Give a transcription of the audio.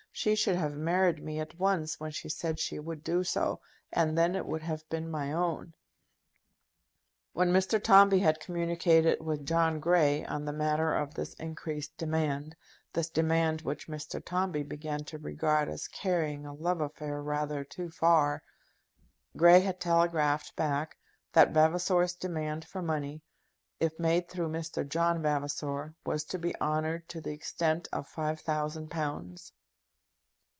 "She should have married me at once when she said she would do so, and then it would have been my own." When Mr. Tombe had communicated with John Grey on the matter of this increased demand, this demand which Mr. Tombe began to regard as carrying a love affair rather too far, Grey had telegraphed back that Vavasor's demand for money, if made through Mr. John Vavasor, was to be honoured to the extent of five thousand pounds.